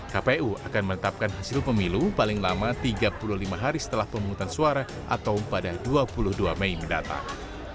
kpu akan menetapkan hasil pemilu paling lama tiga puluh lima hari setelah pemungutan suara atau pada dua puluh dua mei mendatang